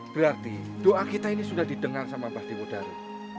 berarti doa kita ini sudah didengar sama mbah di mudaro